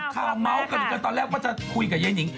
ค้ามา้วก่อนก็ตอนแรกว่าจะคุยกับเย้หญิง